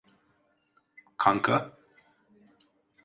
Kanka?